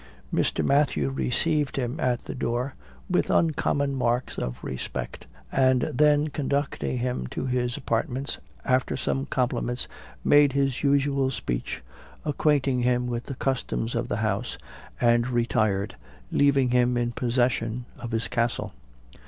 Mr. Mathew received him at the door with uncommon marks of respect; and then conducting him to his apartments, after some compliments, made his usual speech, acquainting him with the customs of the house, and retired, leaving him in possession of his castle.